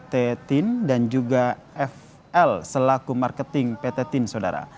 pt tin dan juga fl selaku marketing pt tin sodara